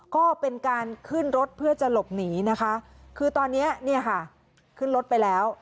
ก็เป็นการขึ้นรถเพื่อจะหลบหนีนะคะคือตอนนี้เนี่ยค่ะขึ้นรถไปแล้ว